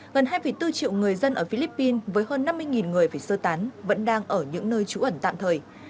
gần hai bốn triệu người dân ở philippines với hơn năm mươi người phải sơ tán vẫn đang ở những nơi trú ẩn tạm thời